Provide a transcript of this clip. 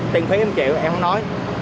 tiền phí em chịu em không nói